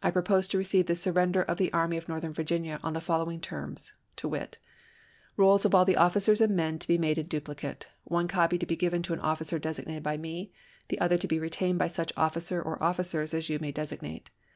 I propose to receive the surrender of the Army of Northern Virginia on the following terms, to wit : Rolls of all the officers and men to be made in duplicate ; one copy to be given to an officer designated by me, the other to be retained by such officer or officers as you may designate.